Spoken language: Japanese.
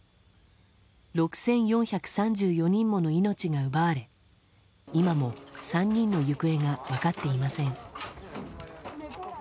６４３４人もの命が奪われ今も３人の行方が分かっていません。